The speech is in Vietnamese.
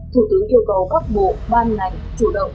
thủ tướng yêu cầu các bộ ban ngành chủ động